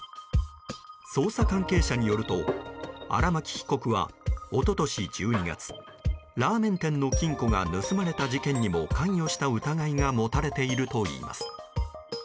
捜査関係者によると荒巻被告は一昨年１２月ラーメン店の金庫が盗まれた事件にも関与した疑いが持たれているといいます。